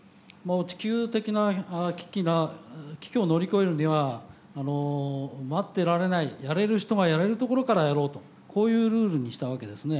地球的な危機が危機を乗り越えるには待ってられないやれる人がやれるところからやろうとこういうルールにしたわけですね。